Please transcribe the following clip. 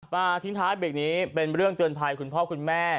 ทิ้งท้ายเบรกนี้เป็นเรื่องเตือนภัยคุณพ่อคุณแม่